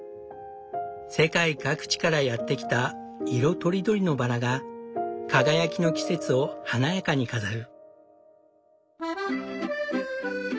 世界各地からやってきた色とりどりのバラが輝きの季節を華やかに飾る。